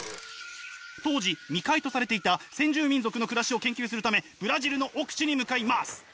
当時未開とされていた先住民族の暮らしを研究するためブラジルの奥地に向かいます！